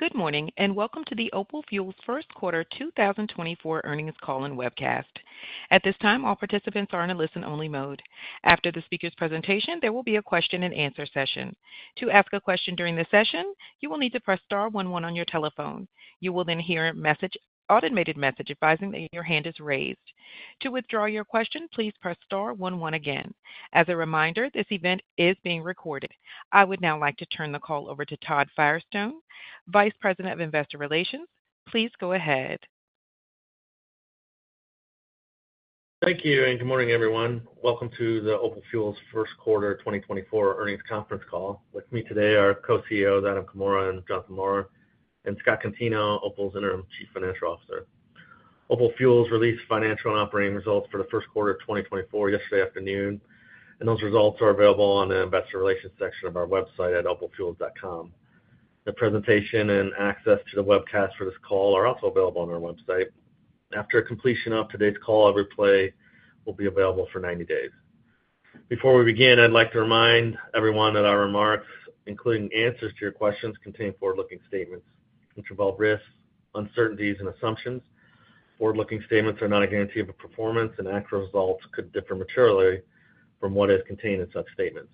Good morning and welcome to the Opal Fuels First Quarter 2024 Earnings Call and webcast. At this time, all participants are in a listen-only mode. After the speaker's presentation, there will be a question-and-answer session. To ask a question during the session, you will need to press star one one on your telephone. You will then hear an automated message advising that your hand is raised. To withdraw your question, please press star one one again. As a reminder, this event is being recorded. I would now like to turn the call over to Todd Firestone, Vice President of Investor Relations. Please go ahead. Thank you and good morning, everyone. Welcome to the OPAL Fuels first quarter 2024 earnings conference call. With me today are Co-CEOs Adam Comora and Jonathan Maurer, and Scott Contino, OPAL Fuels' Interim Chief Financial Officer. OPAL Fuels released financial and operating results for the first quarter of 2024 yesterday afternoon, and those results are available on the Investor Relations section of our website at opalfuels.com. The presentation and access to the webcast for this call are also available on our website. After completion of today's call, a replay will be available for 90 days. Before we begin, I'd like to remind everyone that our remarks, including answers to your questions, contain forward-looking statements which involve risks, uncertainties, and assumptions. Forward-looking statements are not a guarantee of a performance, and actual results could differ materially from what is contained in such statements.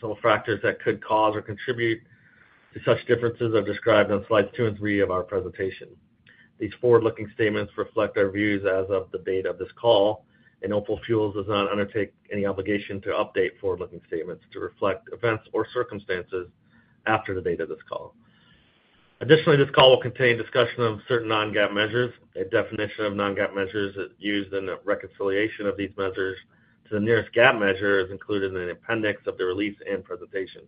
Some factors that could cause or contribute to such differences are described on slides two and three of our presentation. These forward-looking statements reflect our views as of the date of this call, and OPAL Fuels does not undertake any obligation to update forward-looking statements to reflect events or circumstances after the date of this call. Additionally, this call will contain discussion of certain non-GAAP measures. A definition of non-GAAP measures used in the reconciliation of these measures to the nearest GAAP measure is included in an appendix of the release and presentation.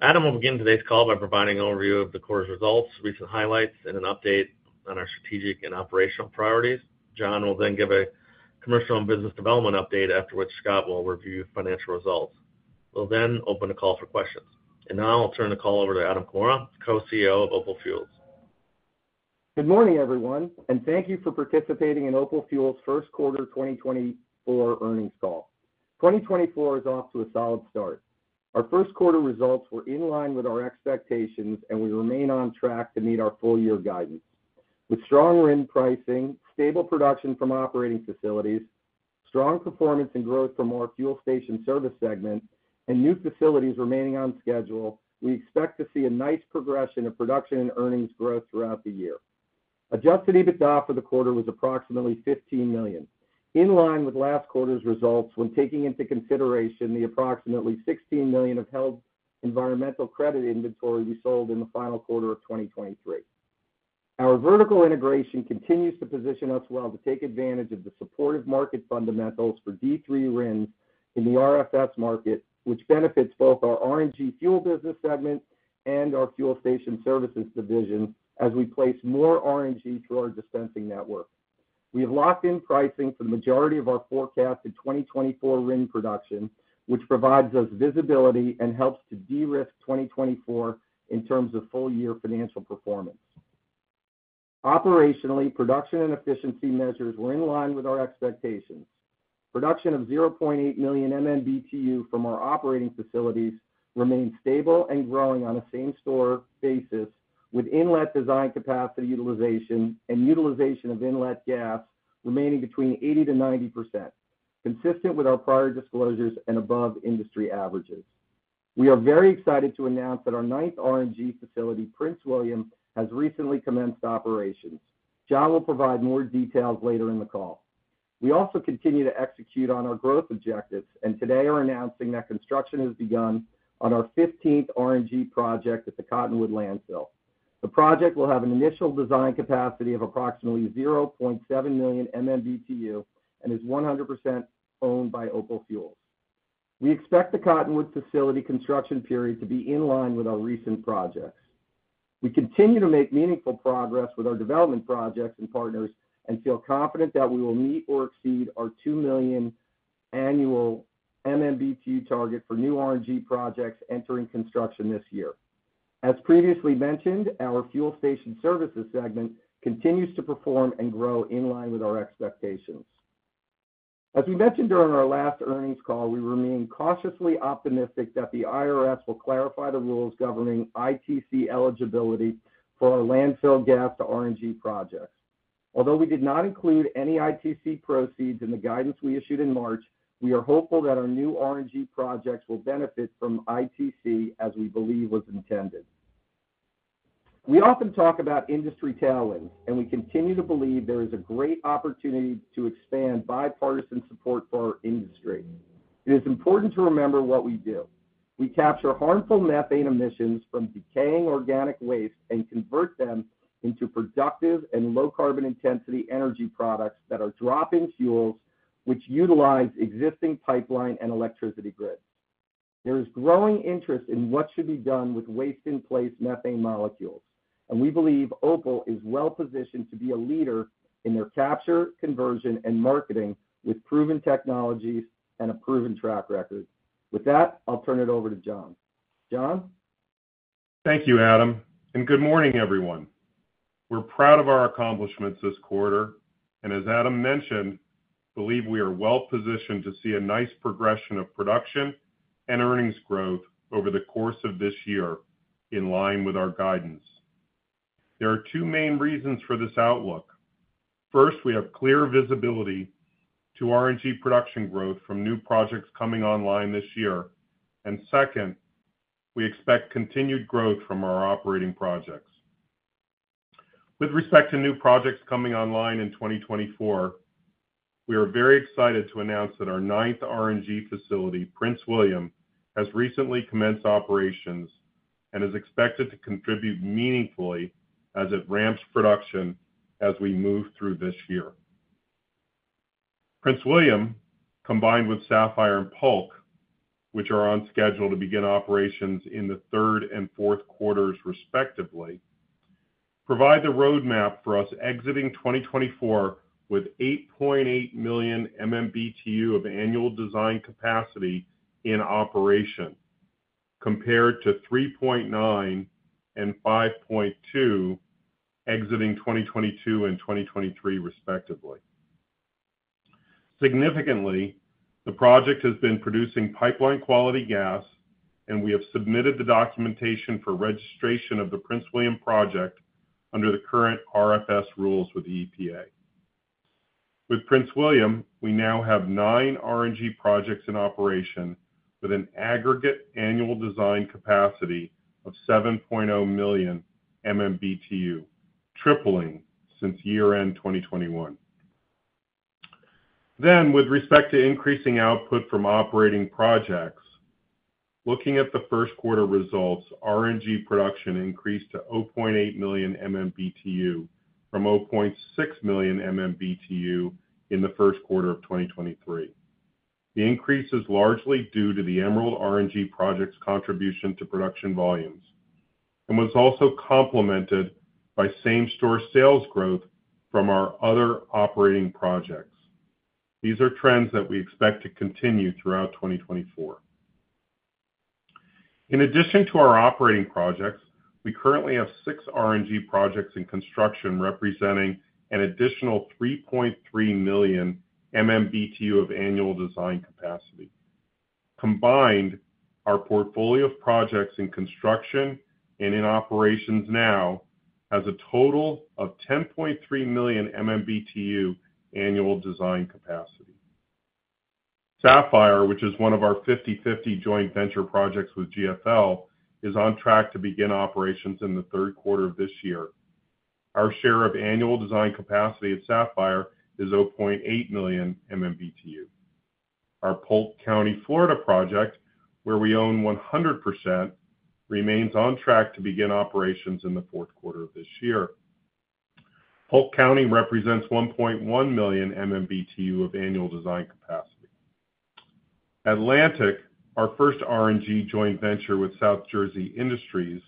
Adam will begin today's call by providing an overview of the quarter's results, recent highlights, and an update on our strategic and operational priorities. Jon will then give a commercial and business development update, after which Scott will review financial results. We'll then open the call for questions. Now I'll turn the call over to Adam Comora, Co-CEO of OPAL Fuels. Good morning, everyone, and thank you for participating in OPAL Fuels' First Quarter 2024 Earnings Call. 2024 is off to a solid start. Our first quarter results were in line with our expectations, and we remain on track to meet our full-year guidance. With strong RIN pricing, stable production from operating facilities, strong performance and growth from our fuel station services segment, and new facilities remaining on schedule, we expect to see a nice progression of production and earnings growth throughout the year. Adjusted EBITDA for the quarter was approximately $15 million, in line with last quarter's results when taking into consideration the approximately $16 million of held environmental credit inventory we sold in the final quarter of 2023. Our vertical integration continues to position us well to take advantage of the supportive market fundamentals for D3 RINs in the RFS market, which benefits both our RNG fuel business segment and our fuel station services division as we place more RNG through our dispensing network. We have locked in pricing for the majority of our forecasted 2024 RIN production, which provides us visibility and helps to de-risk 2024 in terms of full-year financial performance. Operationally, production and efficiency measures were in line with our expectations. Production of 0.8 million MMBtu from our operating facilities remained stable and growing on a same-store basis, with inlet design capacity utilization and utilization of inlet gas remaining between 80%-90%, consistent with our prior disclosures and above industry averages. We are very excited to announce that our ninth RNG facility, Prince William, has recently commenced operations. Jon will provide more details later in the call. We also continue to execute on our growth objectives, and today are announcing that construction has begun on our 15th RNG project at the Cottonwood Landfill. The project will have an initial design capacity of approximately 0.7 million MMBtu and is 100% owned by OPAL Fuels. We expect the Cottonwood facility construction period to be in line with our recent projects. We continue to make meaningful progress with our development projects and partners and feel confident that we will meet or exceed our 2 million annual MMBtu target for new RNG projects entering construction this year. As previously mentioned, our fuel station services segment continues to perform and grow in line with our expectations. As we mentioned during our last earnings call, we remain cautiously optimistic that the IRS will clarify the rules governing ITC eligibility for our landfill gas to RNG projects. Although we did not include any ITC proceeds in the guidance we issued in March, we are hopeful that our new RNG projects will benefit from ITC as we believe was intended. We often talk about industry tailwinds, and we continue to believe there is a great opportunity to expand bipartisan support for our industry. It is important to remember what we do. We capture harmful methane emissions from decaying organic waste and convert them into productive and low-carbon intensity energy products that are drop-in fuels which utilize existing pipeline and electricity grids. There is growing interest in what should be done with waste-in-place methane molecules, and we believe Opal is well-positioned to be a leader in their capture, conversion, and marketing with proven technologies and a proven track record. With that, I'll turn it over to Jon. Jon? Thank you, Adam, and good morning, everyone. We're proud of our accomplishments this quarter, and as Adam mentioned, believe we are well-positioned to see a nice progression of production and earnings growth over the course of this year in line with our guidance. There are two main reasons for this outlook. First, we have clear visibility to RNG production growth from new projects coming online this year, and second, we expect continued growth from our operating projects. With respect to new projects coming online in 2024, we are very excited to announce that our ninth RNG facility, Prince William, has recently commenced operations and is expected to contribute meaningfully as it ramps production as we move through this year. Prince William, combined with Sapphire and Polk, which are on schedule to begin operations in the third and fourth quarters respectively, provide the roadmap for us exiting 2024 with 8.8 million MMBtu of annual design capacity in operation compared to 3.9 and 5.2 exiting 2022 and 2023 respectively. Significantly, the project has been producing pipeline-quality gas, and we have submitted the documentation for registration of the Prince William project under the current RFS rules with the EPA. With Prince William, we now have nine RNG projects in operation with an aggregate annual design capacity of 7.0 million MMBtu, tripling since year-end 2021. Then, with respect to increasing output from operating projects, looking at the first quarter results, RNG production increased to 0.8 million MMBtu from 0.6 million MMBtu in the first quarter of 2023. The increase is largely due to the Emerald RNG project's contribution to production volumes and was also complemented by same-store sales growth from our other operating projects. These are trends that we expect to continue throughout 2024. In addition to our operating projects, we currently have six RNG projects in construction representing an additional 3.3 million MMBtu of annual design capacity. Combined, our portfolio of projects in construction and in operations now has a total of 10.3 million MMBtu annual design capacity. Sapphire, which is one of our 50/50 joint venture projects with GFL, is on track to begin operations in the third quarter of this year. Our share of annual design capacity at Sapphire is 0.8 million MMBtu. Our Polk County, Florida project, where we own 100%, remains on track to begin operations in the fourth quarter of this year. Polk County represents 1.1 million MMBtu of annual design capacity. Atlantic, our first RNG joint venture with South Jersey Industries,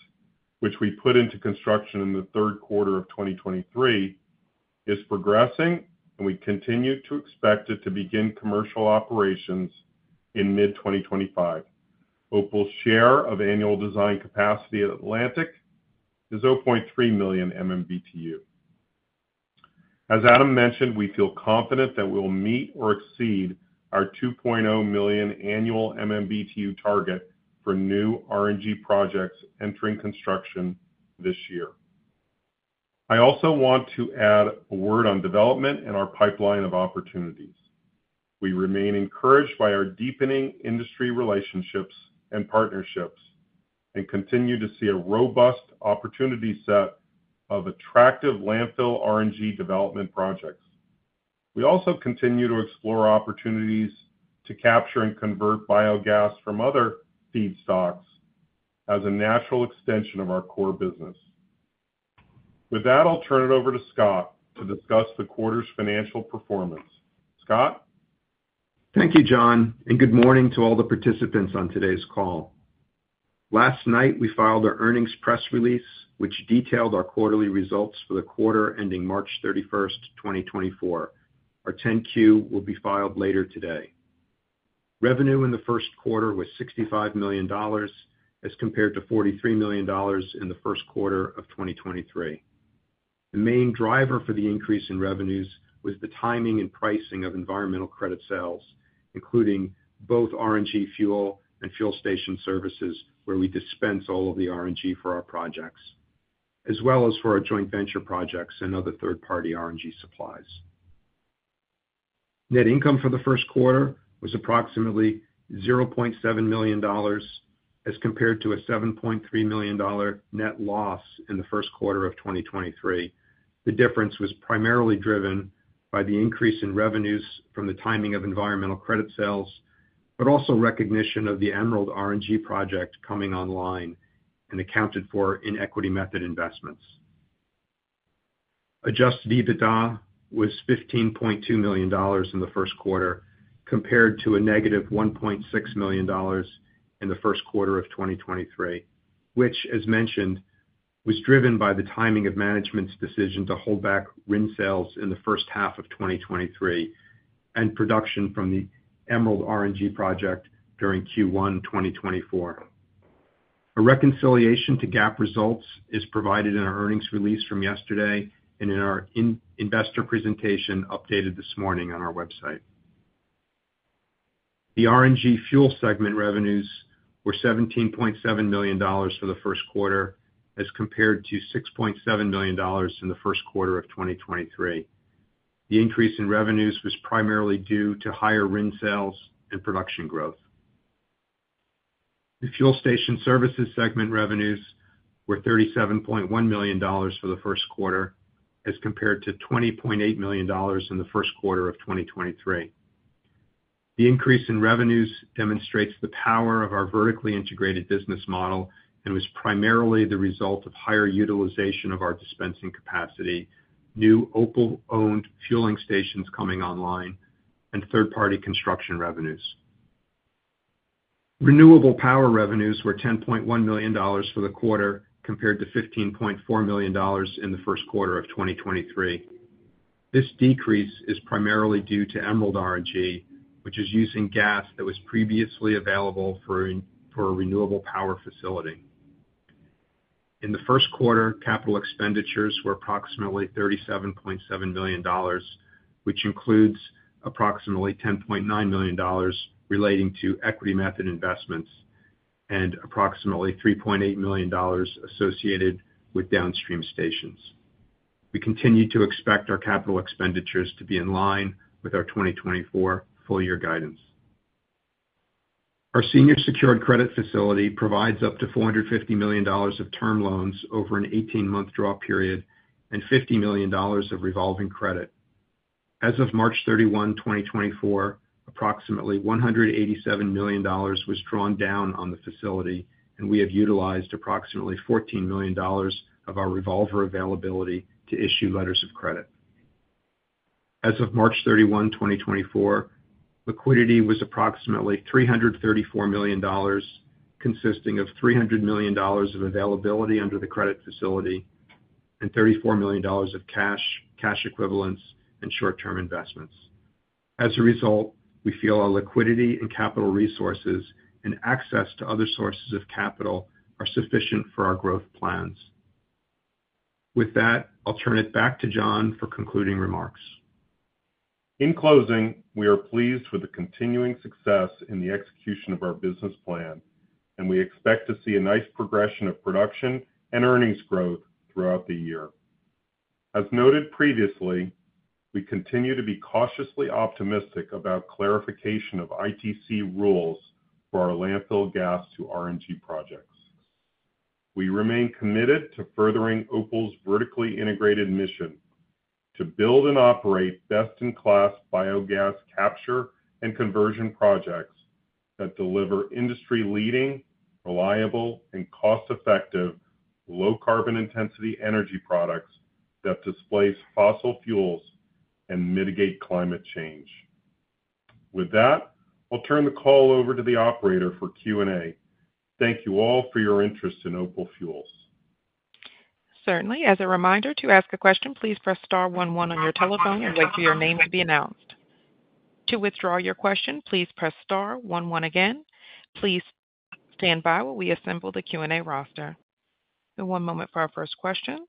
which we put into construction in the third quarter of 2023, is progressing, and we continue to expect it to begin commercial operations in mid-2025. OPAL's share of annual design capacity at Atlantic is 0.3 million MMBtu. As Adam mentioned, we feel confident that we will meet or exceed our 2.0 million annual MMBtu target for new RNG projects entering construction this year. I also want to add a word on development and our pipeline of opportunities. We remain encouraged by our deepening industry relationships and partnerships and continue to see a robust opportunity set of attractive landfill RNG development projects. We also continue to explore opportunities to capture and convert biogas from other feedstocks as a natural extension of our core business. With that, I'll turn it over to Scott to discuss the quarter's financial performance. Scott? Thank you, Jon, and good morning to all the participants on today's call. Last night, we filed our earnings press release, which detailed our quarterly results for the quarter ending March 31st, 2024. Our 10-Q will be filed later today. Revenue in the first quarter was $65 million as compared to $43 million in the first quarter of 2023. The main driver for the increase in revenues was the timing and pricing of environmental credit sales, including both RNG fuel and fuel station services, where we dispense all of the RNG for our projects, as well as for our joint venture projects and other third-party RNG supplies. Net income for the first quarter was approximately $0.7 million as compared to a $7.3 million net loss in the first quarter of 2023. The difference was primarily driven by the increase in revenues from the timing of environmental credit sales, but also recognition of the Emerald RNG project coming online and accounted for in equity method investments. Adjusted EBITDA was $15.2 million in the first quarter compared to a negative $1.6 million in the first quarter of 2023, which, as mentioned, was driven by the timing of management's decision to hold back RIN sales in the first half of 2023 and production from the Emerald RNG project during Q1 2024. A reconciliation to GAAP results is provided in our earnings release from yesterday and in our investor presentation updated this morning on our website. The RNG fuel segment revenues were $17.7 million for the first quarter as compared to $6.7 million in the first quarter of 2023. The increase in revenues was primarily due to higher RIN sales and production growth. The fuel station services segment revenues were $37.1 million for the first quarter as compared to $20.8 million in the first quarter of 2023. The increase in revenues demonstrates the power of our vertically integrated business model and was primarily the result of higher utilization of our dispensing capacity, new OPAL-owned fueling stations coming online, and third-party construction revenues. Renewable power revenues were $10.1 million for the quarter compared to $15.4 million in the first quarter of 2023. This decrease is primarily due to Emerald RNG, which is using gas that was previously available for a renewable power facility. In the first quarter, capital expenditures were approximately $37.7 million, which includes approximately $10.9 million relating to equity method investments and approximately $3.8 million associated with downstream stations. We continue to expect our capital expenditures to be in line with our 2024 full-year guidance. Our senior secured credit facility provides up to $450 million of term loans over an 18-month draw period and $50 million of revolving credit. As of March 31, 2024, approximately $187 million was drawn down on the facility, and we have utilized approximately $14 million of our revolver availability to issue letters of credit. As of March 31, 2024, liquidity was approximately $334 million, consisting of $300 million of availability under the credit facility and $34 million of cash, cash equivalents, and short-term investments. As a result, we feel our liquidity and capital resources and access to other sources of capital are sufficient for our growth plans. With that, I'll turn it back to Jon for concluding remarks. In closing, we are pleased with the continuing success in the execution of our business plan, and we expect to see a nice progression of production and earnings growth throughout the year. As noted previously, we continue to be cautiously optimistic about clarification of ITC rules for our landfill gas to RNG projects. We remain committed to furthering OPAL's vertically integrated mission to build and operate best-in-class biogas capture and conversion projects that deliver industry-leading, reliable, and cost-effective low-carbon intensity energy products that displace fossil fuels and mitigate climate change. With that, I'll turn the call over to the operator for Q&A. Thank you all for your interest in OPAL Fuels. Certainly. As a reminder, to ask a question, please press star one one on your telephone and wait for your name to be announced. To withdraw your question, please press star one one again. Please stand by while we assemble the Q&A roster. One moment for our first question.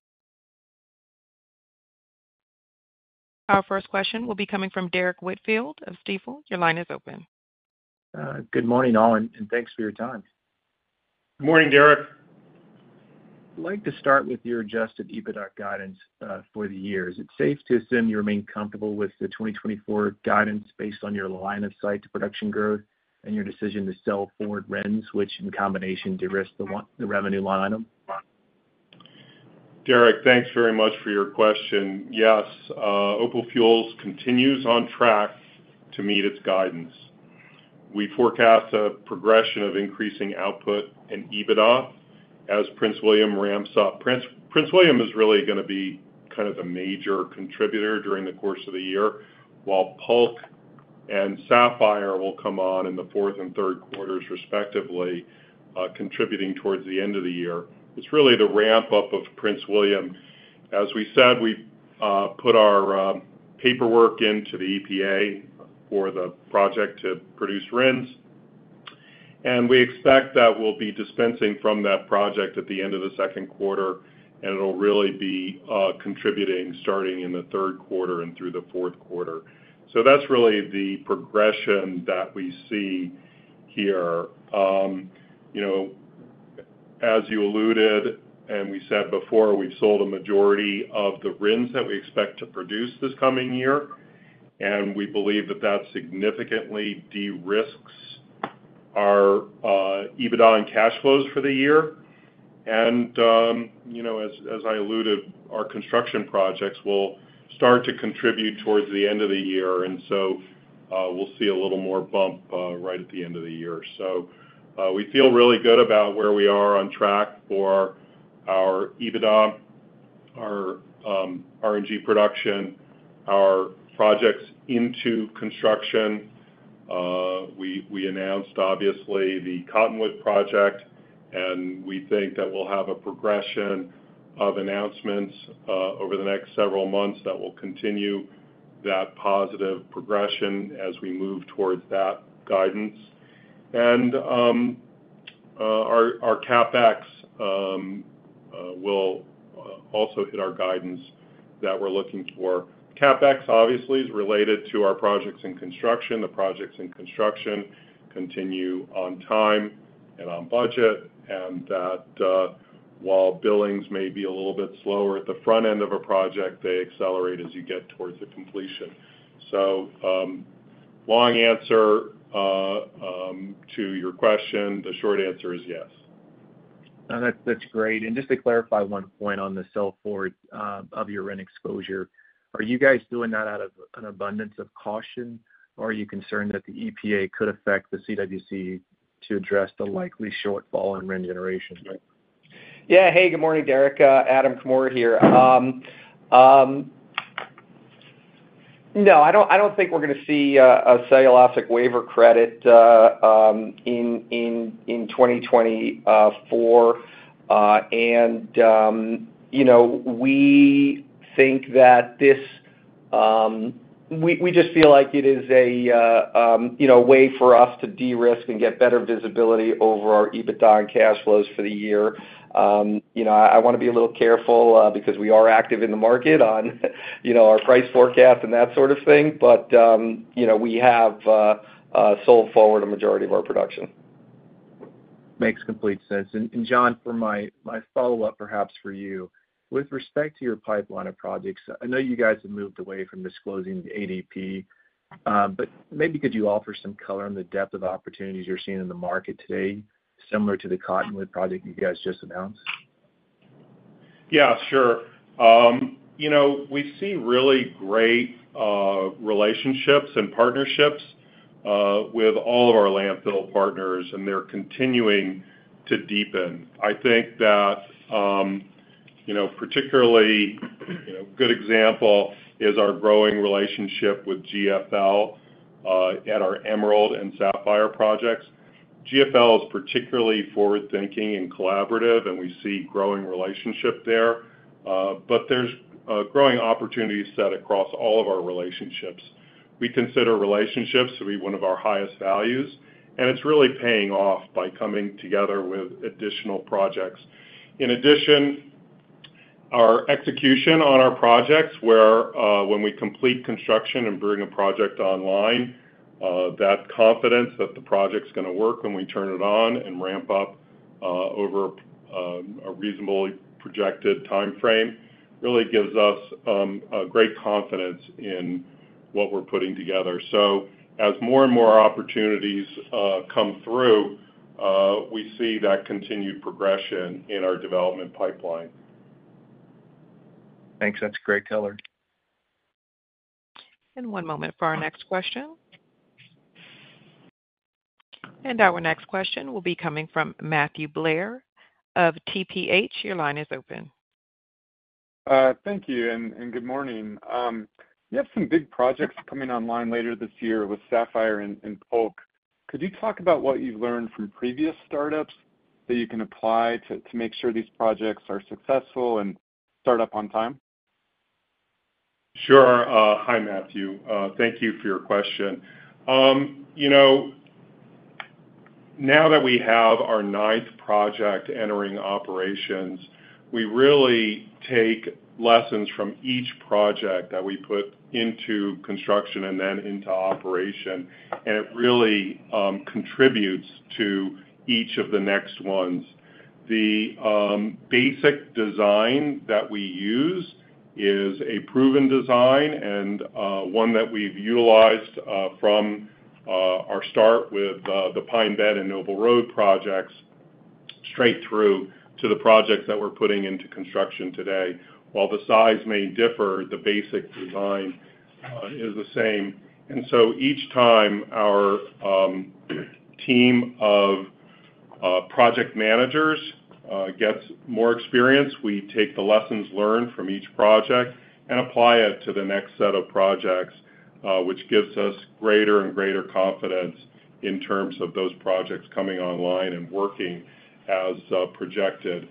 Our first question will be coming from Derrick Whitfield of Stifel. Your line is open. Good morning Adam, and thanks for your time. Good morning, Derrick. I'd like to start with your Adjusted EBITDA guidance for the year. Is it safe to assume you remain comfortable with the 2024 guidance based on your line of sight to production growth and your decision to sell for D3 RINs, which in combination de-risk the revenue line item? Derrick, thanks very much for your question. Yes, OPAL Fuels continues on track to meet its guidance. We forecast a progression of increasing output and EBITDA as Prince William ramps up. Prince William is really going to be kind of the major contributor during the course of the year, while Polk and Sapphire will come on in the fourth and third quarters respectively, contributing towards the end of the year. It's really the ramp-up of Prince William. As we said, we put our paperwork into the EPA for the project to produce RINs, and we expect that we'll be dispensing from that project at the end of the second quarter, and it'll really be contributing starting in the third quarter and through the fourth quarter. So that's really the progression that we see here. As you alluded and we said before, we've sold a majority of the RINs that we expect to produce this coming year, and we believe that that significantly de-risks our EBITDA and cash flows for the year. As I alluded, our construction projects will start to contribute towards the end of the year, and so we'll see a little more bump right at the end of the year. We feel really good about where we are on track for our EBITDA, our RNG production, our projects into construction. We announced, obviously, the Cottonwood project, and we think that we'll have a progression of announcements over the next several months that will continue that positive progression as we move towards that guidance. Our CapEx will also hit our guidance that we're looking for. CapEx, obviously, is related to our projects in construction. The projects in construction continue on time and on budget, and that while billings may be a little bit slower at the front end of a project, they accelerate as you get towards the completion. So long answer to your question, the short answer is yes. That's great. And just to clarify one point on the sell forward of your RIN exposure, are you guys doing that out of an abundance of caution, or are you concerned that the EPA could affect the CWC to address the likely shortfall in RIN generation? Yeah. Hey, good morning, Derrick. Adam Comora here. No, I don't think we're going to see a cellulosic waiver credit in 2024. And we think that this we just feel like it is a way for us to de-risk and get better visibility over our EBITDA and cash flows for the year. I want to be a little careful because we are active in the market on our price forecast and that sort of thing, but we have sold forward a majority of our production. Makes complete sense. And Jon, for my follow-up, perhaps for you, with respect to your pipeline of projects, I know you guys have moved away from disclosing the ADP, but maybe could you offer some color on the depth of opportunities you're seeing in the market today, similar to the Cottonwood project you guys just announced? Yeah, sure. We see really great relationships and partnerships with all of our landfill partners, and they're continuing to deepen. I think that particularly a good example is our growing relationship with GFL at our Emerald and Sapphire projects. GFL is particularly forward-thinking and collaborative, and we see growing relationship there. But there's a growing opportunity set across all of our relationships. We consider relationships to be one of our highest values, and it's really paying off by coming together with additional projects. In addition, our execution on our projects, where when we complete construction and bring a project online, that confidence that the project's going to work when we turn it on and ramp up over a reasonably projected timeframe really gives us great confidence in what we're putting together. So as more and more opportunities come through, we see that continued progression in our development pipeline. Thanks. That's great color. One moment for our next question. Our next question will be coming from Matthew Blair of TPH. Your line is open. Thank you and good morning. You have some big projects coming online later this year with Sapphire and Polk. Could you talk about what you've learned from previous startups that you can apply to make sure these projects are successful and start up on time? Sure. Hi, Matthew. Thank you for your question. Now that we have our ninth project entering operations, we really take lessons from each project that we put into construction and then into operation, and it really contributes to each of the next ones. The basic design that we use is a proven design and one that we've utilized from our start with the Pine Bend and Noble Road projects straight through to the projects that we're putting into construction today. While the size may differ, the basic design is the same. And so each time our team of project managers gets more experience, we take the lessons learned from each project and apply it to the next set of projects, which gives us greater and greater confidence in terms of those projects coming online and working as projected.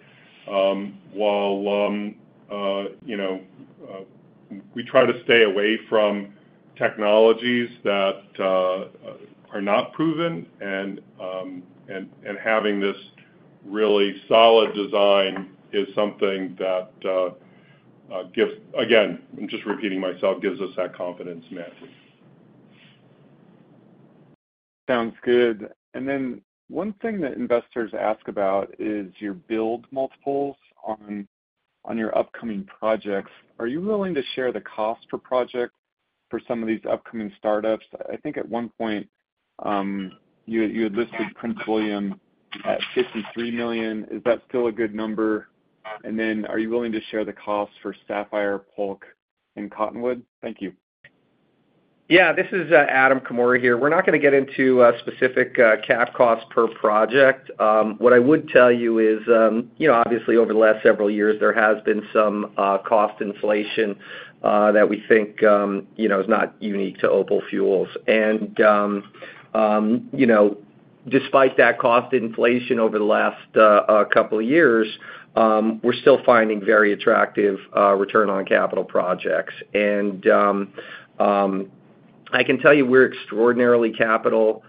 While we try to stay away from technologies that are not proven, and having this really solid design is something that gives again, I'm just repeating myself, gives us that confidence, Matthew. Sounds good. Then one thing that investors ask about is your build multiples on your upcoming projects. Are you willing to share the cost per project for some of these upcoming startups? I think at one point, you had listed Prince William at $53 million. Is that still a good number? Are you willing to share the cost for Sapphire, Polk, and Cottonwood? Thank you. Yeah. This is Adam Comora here. We're not going to get into specific cap costs per project. What I would tell you is, obviously, over the last several years, there has been some cost inflation that we think is not unique to OPAL Fuels. And despite that cost inflation over the last couple of years, we're still finding very attractive return-on-capital projects. And I can tell you we're extraordinarily capital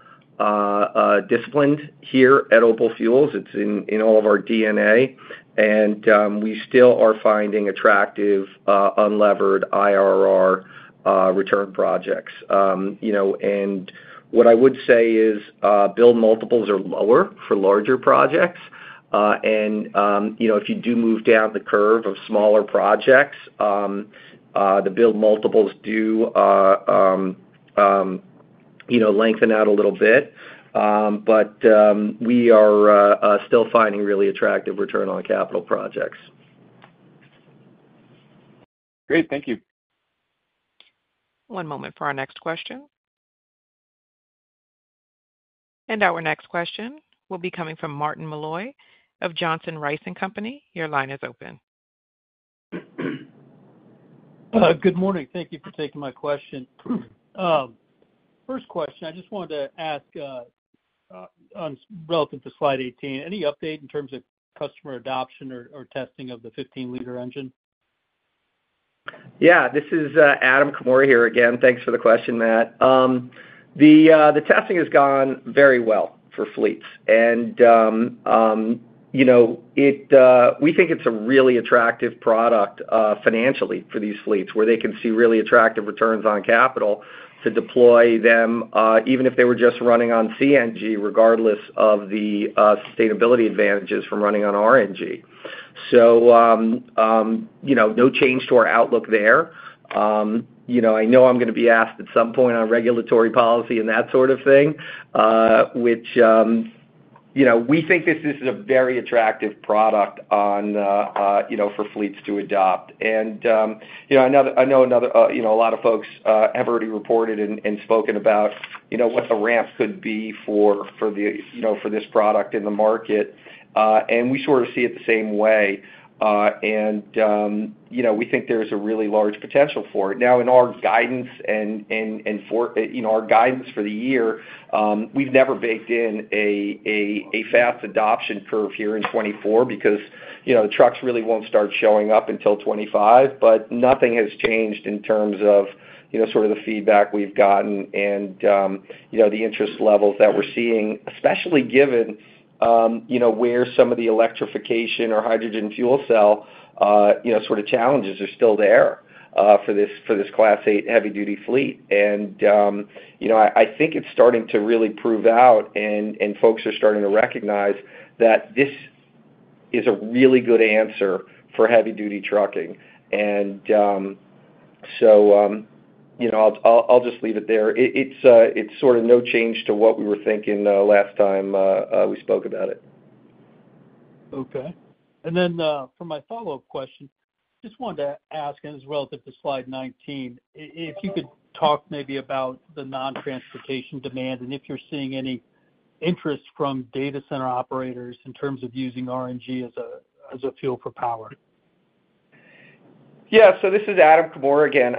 disciplined here at OPAL Fuels. It's in all of our DNA, and we still are finding attractive unlevered IRR return projects. And what I would say is build multiples are lower for larger projects. And if you do move down the curve of smaller projects, the build multiples do lengthen out a little bit. But we are still finding really attractive return-on-capital projects. Great. Thank you. One moment for our next question. Our next question will be coming from Martin Malloy of Johnson Rice & Company. Your line is open. Good morning. Thank you for taking my question. First question, I just wanted to ask relative to slide 18, any update in terms of customer adoption or testing of the 15-liter engine? Yeah. This is Adam Comora here again. Thanks for the question, Matt. The testing has gone very well for fleets, and we think it's a really attractive product financially for these fleets where they can see really attractive returns on capital to deploy them even if they were just running on CNG, regardless of the sustainability advantages from running on RNG. So no change to our outlook there. I know I'm going to be asked at some point on regulatory policy and that sort of thing, which we think this is a very attractive product for fleets to adopt. And I know a lot of folks have already reported and spoken about what the ramp could be for this product in the market, and we sort of see it the same way. And we think there's a really large potential for it. Now, in our guidance and our guidance for the year, we've never baked in a fast adoption curve here in 2024 because the trucks really won't start showing up until 2025. But nothing has changed in terms of sort of the feedback we've gotten and the interest levels that we're seeing, especially given where some of the electrification or hydrogen fuel cell sort of challenges are still there for this Class 8 heavy-duty fleet. And I think it's starting to really prove out, and folks are starting to recognize that this is a really good answer for heavy-duty trucking. And so I'll just leave it there. It's sort of no change to what we were thinking last time we spoke about it. Okay. And then for my follow-up question, just wanted to ask, and it's relative to slide 19, if you could talk maybe about the non-transportation demand and if you're seeing any interest from data center operators in terms of using RNG as a fuel for power? Yeah. So this is Adam Comora again.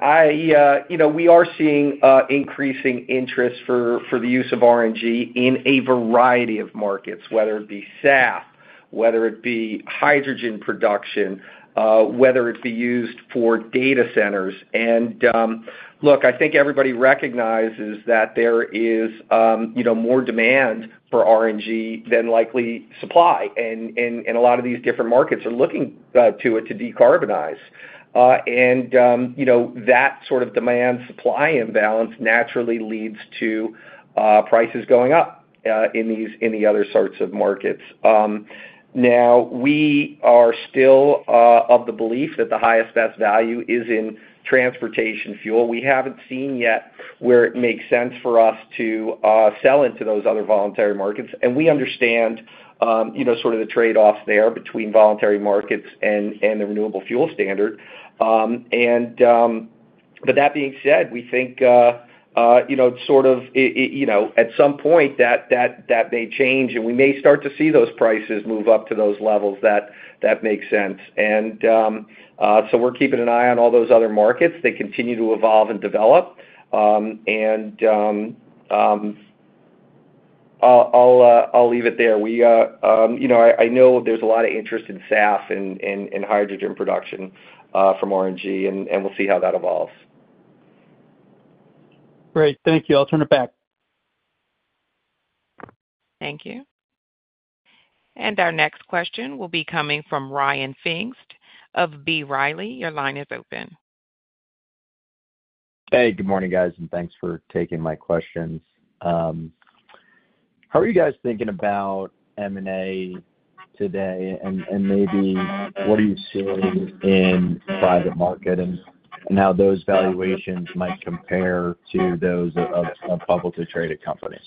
We are seeing increasing interest for the use of RNG in a variety of markets, whether it be SAF, whether it be hydrogen production, whether it be used for data centers. And look, I think everybody recognizes that there is more demand for RNG than likely supply, and a lot of these different markets are looking to it to decarbonize. And that sort of demand-supply imbalance naturally leads to prices going up in the other sorts of markets. Now, we are still of the belief that the highest best value is in transportation fuel. We haven't seen yet where it makes sense for us to sell into those other voluntary markets, and we understand sort of the trade-offs there between voluntary markets and the Renewable Fuel Standard. But that being said, we think it's sort of at some point that may change, and we may start to see those prices move up to those levels. That makes sense. And so we're keeping an eye on all those other markets. They continue to evolve and develop. And I'll leave it there. I know there's a lot of interest in SAF and hydrogen production from RNG, and we'll see how that evolves. Great. Thank you. I'll turn it back. Thank you. And our next question will be coming from Ryan Pfingst of B. Riley. Your line is open. Hey. Good morning, guys, and thanks for taking my questions. How are you guys thinking about M&A today, and maybe what are you seeing in the private market and how those valuations might compare to those of publicly traded companies?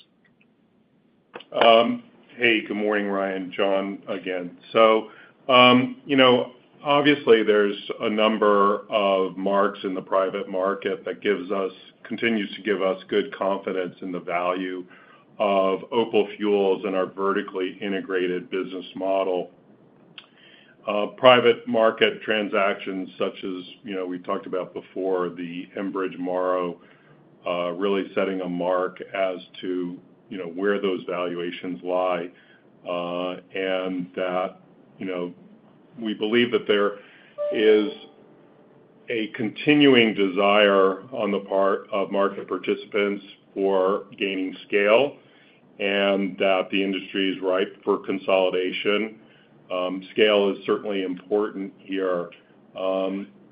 Hey. Good morning, Ryan. Jon again. So obviously, there's a number of marks in the private market that continues to give us good confidence in the value of OPAL Fuels and our vertically integrated business model. Private market transactions, such as we talked about before, the Enbridge-Morrow really setting a mark as to where those valuations lie, and that we believe that there is a continuing desire on the part of market participants for gaining scale and that the industry is ripe for consolidation. Scale is certainly important here.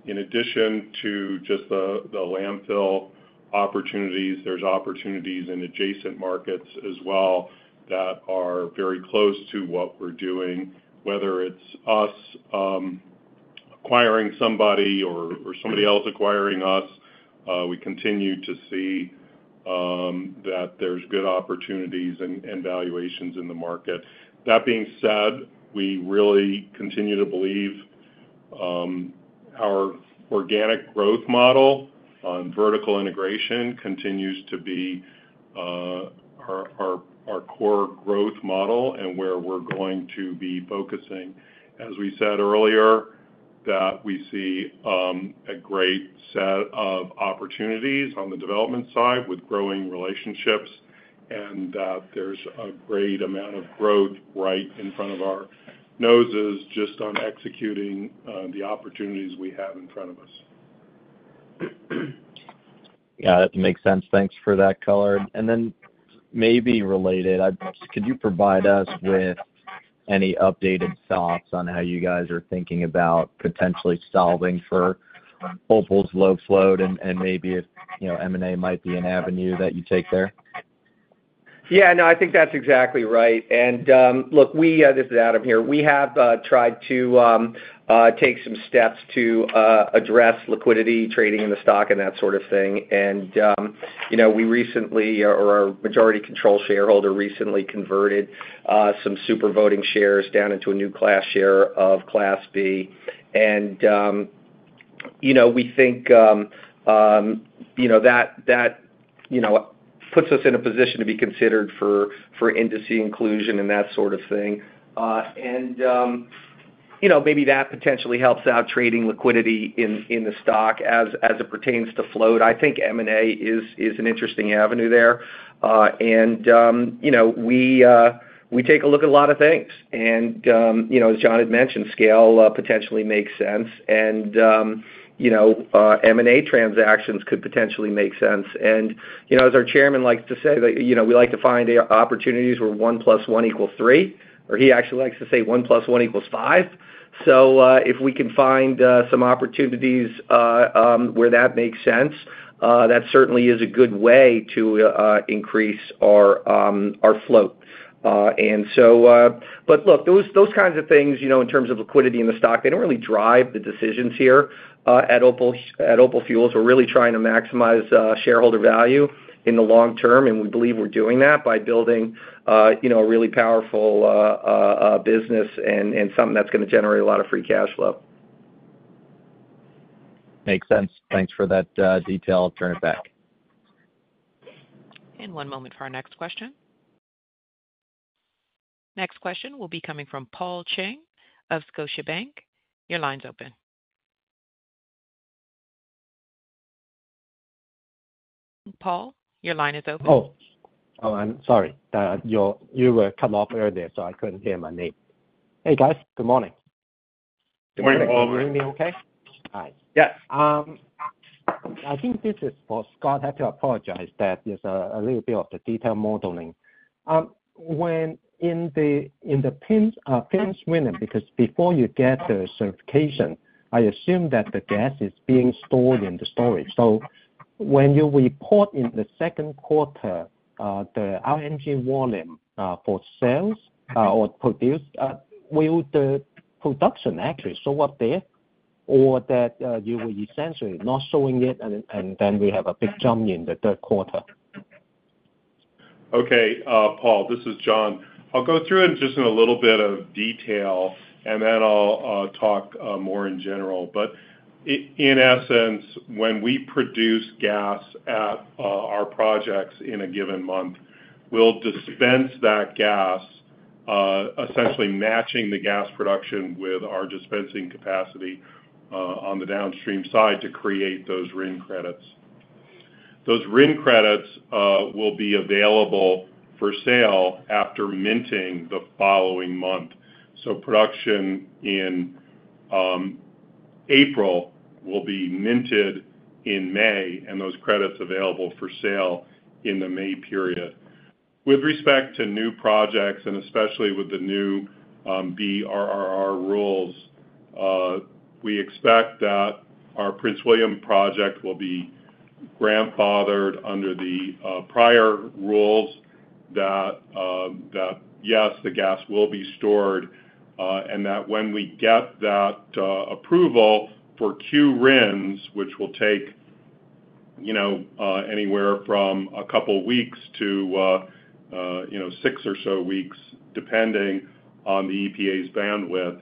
In addition to just the landfill opportunities, there's opportunities in adjacent markets as well that are very close to what we're doing. Whether it's us acquiring somebody or somebody else acquiring us, we continue to see that there's good opportunities and valuations in the market. That being said, we really continue to believe our organic growth model on vertical integration continues to be our core growth model and where we're going to be focusing. As we said earlier, that we see a great set of opportunities on the development side with growing relationships and that there's a great amount of growth right in front of our noses just on executing the opportunities we have in front of us. Yeah. That makes sense. Thanks for that color. And then maybe related, could you provide us with any updated thoughts on how you guys are thinking about potentially solving for OPAL's low float and maybe if M&A might be an avenue that you take there? Yeah. No. I think that's exactly right. And look, this is Adam here. We have tried to take some steps to address liquidity, trading in the stock, and that sort of thing. And we recently, or our majority control shareholder, recently converted some supervoting shares down into a new class share of Class B. And we think that puts us in a position to be considered for index inclusion and that sort of thing. And maybe that potentially helps out trading liquidity in the stock as it pertains to float. I think M&A is an interesting avenue there. And we take a look at a lot of things. And as Jon had mentioned, scale potentially makes sense, and M&A transactions could potentially make sense. As our chairman likes to say, we like to find opportunities where 1 + 1 = 3, or he actually likes to say 1 + 1 = 5. So if we can find some opportunities where that makes sense, that certainly is a good way to increase our float. But look, those kinds of things in terms of liquidity in the stock, they don't really drive the decisions here at OPAL Fuels. We're really trying to maximize shareholder value in the long term, and we believe we're doing that by building a really powerful business and something that's going to generate a lot of free cash flow. Makes sense. Thanks for that detail. I'll turn it back. One moment for our next question. Next question will be coming from Paul Cheng of Scotiabank. Your line's open. Paul, your line is open. Oh. Oh, sorry. You cut off earlier, so I couldn't hear my name. Hey, guys. Good morning. Good morning, Paul. Are you okay? Yes. I think this is for Scott. I have to apologize that there's a little bit of the detail modeling. In the Prince William, because before you get the certification, I assume that the gas is being stored in the storage. So when you report in the second quarter, the RNG volume for sales or produced, will the production actually show up there, or that you were essentially not showing it, and then we have a big jump in the third quarter? Okay, Paul. This is Jonathan. I'll go through it in just a little bit of detail, and then I'll talk more in general. But in essence, when we produce gas at our projects in a given month, we'll dispense that gas, essentially matching the gas production with our dispensing capacity on the downstream side to create those RIN credits. Those RIN credits will be available for sale after minting the following month. So production in April will be minted in May, and those credits available for sale in the May period. With respect to new projects, and especially with the new BRRR rules, we expect that our Prince William project will be grandfathered under the prior rules that, yes, the gas will be stored, and that when we get that approval for Q-RINs, which will take anywhere from a couple of weeks to six or so weeks, depending on the EPA's bandwidth,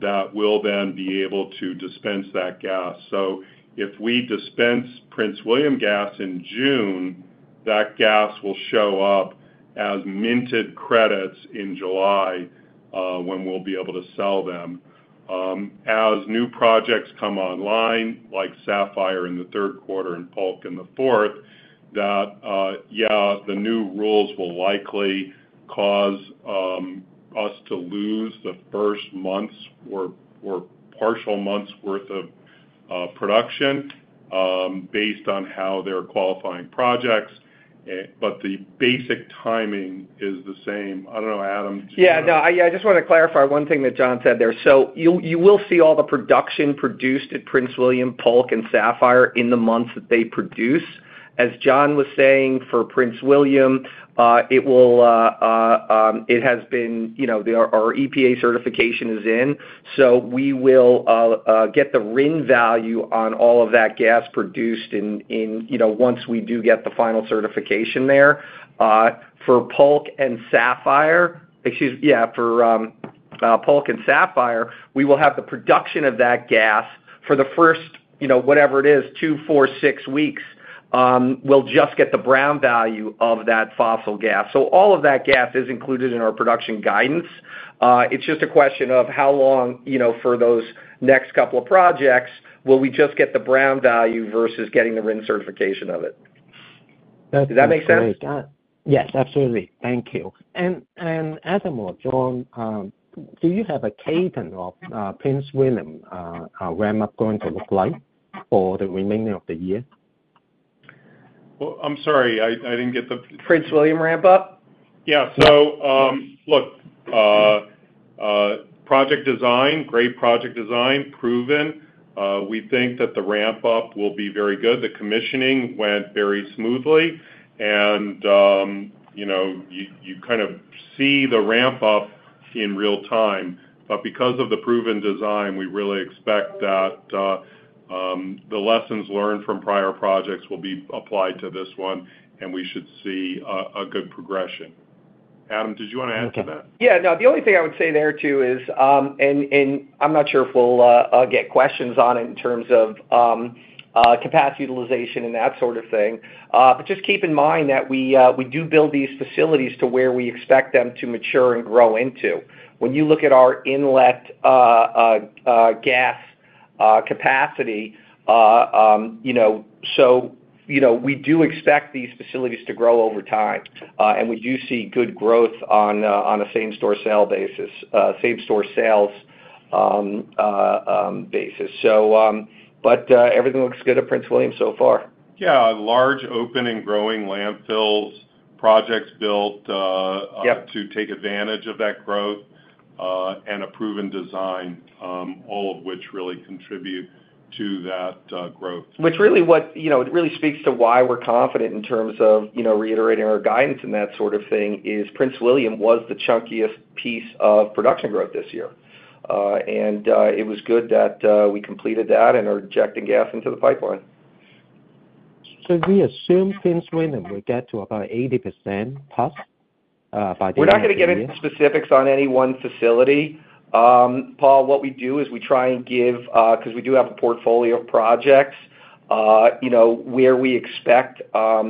that we'll then be able to dispense that gas. So if we dispense Prince William gas in June, that gas will show up as minted credits in July when we'll be able to sell them. As new projects come online, like Sapphire in the third quarter and Polk in the fourth, that, yeah, the new rules will likely cause us to lose the first months or partial months' worth of production based on how they're qualifying projects. But the basic timing is the same. I don't know, Adam. Yeah. No. I just want to clarify one thing that Jon said there. So you will see all the production produced at Prince William, Polk, and Sapphire in the months that they produce. As Jon was saying, for Prince William, it has been our EPA certification is in. So we will get the RIN value on all of that gas produced once we do get the final certification there. For Polk and Sapphire excuse me. Yeah. For Polk and Sapphire, we will have the production of that gas for the first whatever it is, two, four, six weeks. We'll just get the brown value of that fossil gas. So all of that gas is included in our production guidance. It's just a question of how long for those next couple of projects. Will we just get the brown value versus getting the RIN certification of it? Does that make sense? Yes. Absolutely. Thank you. And Adam or Jon, do you have a cadence of Prince William ramp-up going to look like for the remainder of the year? Well, I'm sorry. I didn't get the. Prince William ramp-up? Yeah. So look, great project design, proven. We think that the ramp-up will be very good. The commissioning went very smoothly, and you kind of see the ramp-up in real time. But because of the proven design, we really expect that the lessons learned from prior projects will be applied to this one, and we should see a good progression. Adam, did you want to add to that? Yeah. No. The only thing I would say there too is and I'm not sure if we'll get questions on it in terms of capacity utilization and that sort of thing. But just keep in mind that we do build these facilities to where we expect them to mature and grow into. When you look at our inlet gas capacity, so we do expect these facilities to grow over time, and we do see good growth on a same-store sale basis, same-store sales basis. But everything looks good at Prince William so far. Yeah. Large, open, and growing landfill projects built to take advantage of that growth and a proven design, all of which really contribute to that growth. Which really speaks to why we're confident in terms of reiterating our guidance and that sort of thing is Prince William was the chunkiest piece of production growth this year. And it was good that we completed that and are injecting gas into the pipeline. Should we assume Prince William will get to about 80% plus by the end of the year? We're not going to get into specifics on any one facility. Paul, what we do is we try and give, because we do have a portfolio of projects where we expect our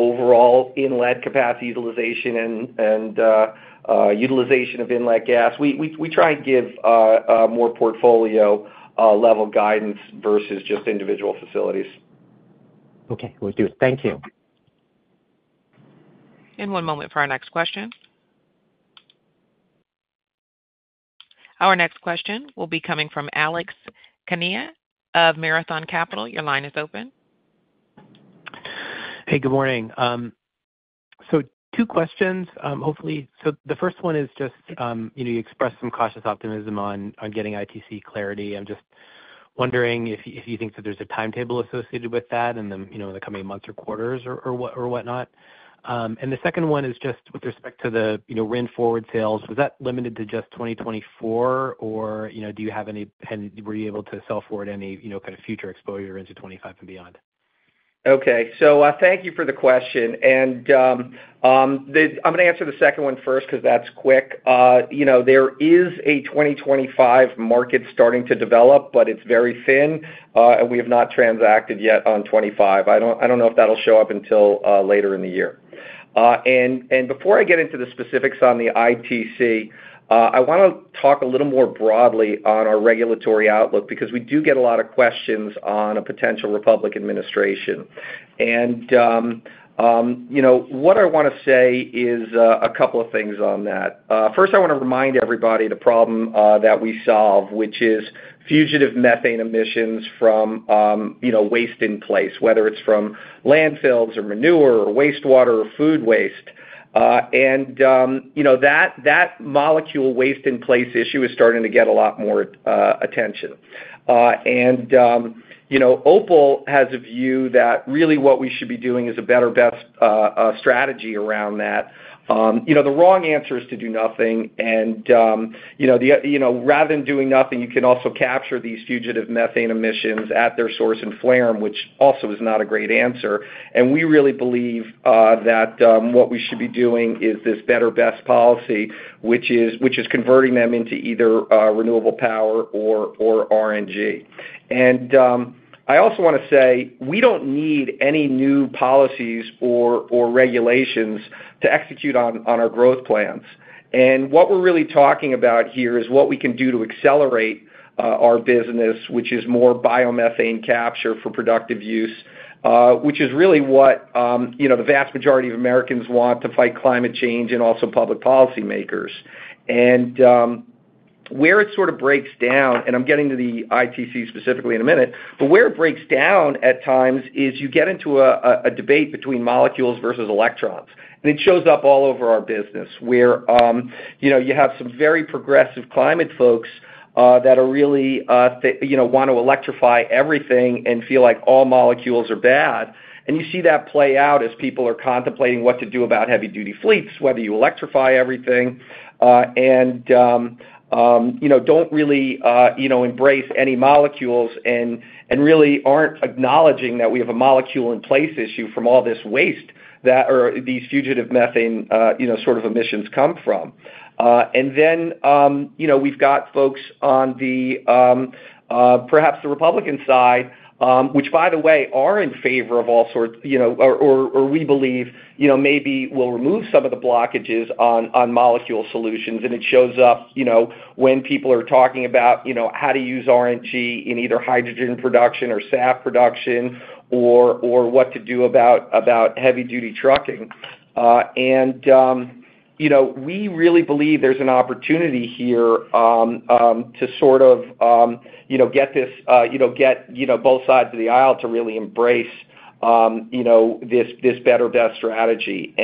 overall inlet capacity utilization and utilization of inlet gas. We try and give more portfolio-level guidance versus just individual facilities. Okay. We'll do it. Thank you. One moment for our next question. Our next question will be coming from Alex Kania of Marathon Capital. Your line is open. Hey. Good morning. So 2 questions, hopefully. So the first one is just you expressed some cautious optimism on getting ITC clarity. I'm just wondering if you think that there's a timetable associated with that in the coming months or quarters or whatnot. And the second one is just with respect to the RIN forward sales, was that limited to just 2024, or do you have any and were you able to sell forward any kind of future exposure into 2025 and beyond? Okay. So thank you for the question. And I'm going to answer the second one first because that's quick. There is a 2025 market starting to develop, but it's very thin, and we have not transacted yet on 2025. I don't know if that'll show up until later in the year. And before I get into the specifics on the ITC, I want to talk a little more broadly on our regulatory outlook because we do get a lot of questions on a potential Republican administration. And what I want to say is a couple of things on that. First, I want to remind everybody of the problem that we solve, which is fugitive methane emissions from waste in place, whether it's from landfills or manure or wastewater or food waste. And that molecule waste in place issue is starting to get a lot more attention. OPAL has a view that really what we should be doing is a better-best strategy around that. The wrong answer is to do nothing. Rather than doing nothing, you can also capture these fugitive methane emissions at their source by flaring them, which also is not a great answer. We really believe that what we should be doing is this better-best policy, which is converting them into either renewable power or RNG. I also want to say we don't need any new policies or regulations to execute on our growth plans. What we're really talking about here is what we can do to accelerate our business, which is more biomethane capture for productive use, which is really what the vast majority of Americans want to fight climate change and also public policymakers. And where it sort of breaks down and I'm getting to the ITC specifically in a minute. But where it breaks down at times is you get into a debate between molecules versus electrons. And it shows up all over our business where you have some very progressive climate folks that really want to electrify everything and feel like all molecules are bad. And you see that play out as people are contemplating what to do about heavy-duty fleets, whether you electrify everything and don't really embrace any molecules and really aren't acknowledging that we have a molecule-in-place issue from all this waste that these fugitive methane sort of emissions come from. And then we've got folks on perhaps the Republican side, which, by the way, are in favor of all sorts or we believe maybe will remove some of the blockages on molecule solutions. It shows up when people are talking about how to use RNG in either hydrogen production or SAF production or what to do about heavy-duty trucking. We really believe there's an opportunity here to sort of get this get both sides of the aisle to really embrace this better-best strategy.